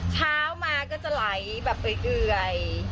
เช้ามาก็จะไหลแบบเอื่อย